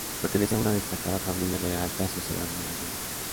Pertenecía a una destacada familia de la alta sociedad malagueña.